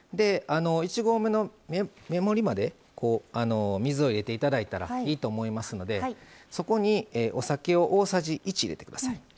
１合目の目盛りまでこう水を入れて頂いたらいいと思いますのでそこにお酒を大さじ１入れて下さい。